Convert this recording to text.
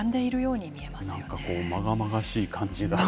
なんかこう、まがまがしい感じが。